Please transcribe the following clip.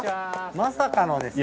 まさかのですよ。